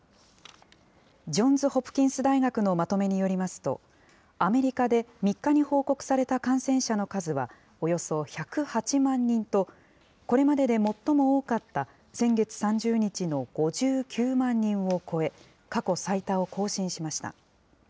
ジョンズ・ホプキンス大学のまとめによりますと、アメリカで３日に報告された感染者の数はおよそ１０８万人と、これまでで最も多かった先月３０日の５９万人を超え、過去最多を更新しました。